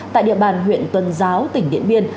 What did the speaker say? tại địa bàn huyện tuần giáo tỉnh điện biên